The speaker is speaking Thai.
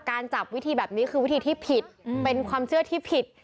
จับวิธีแบบนี้คือวิธีที่ผิดเป็นความเชื่อที่ผิด